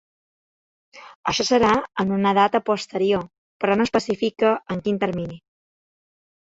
Això serà ‘en una data posterior’, però no especifica en quin termini.